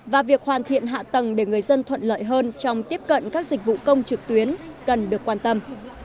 và việc hoàn thiện hạ tầng để người dân thuận lợi hơn trong tiếp cận các dịch vụ công trực tuyến cần được quan tâm